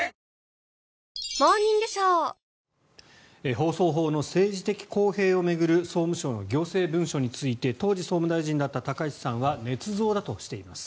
放送法の政治的公平を巡る総務省の行政文書について当時、総務大臣だった高市さんはねつ造だとしています。